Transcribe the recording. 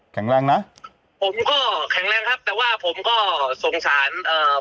แข็งแรงนะผมก็แข็งแรงครับแต่ว่าผมก็สงสารเอ่อ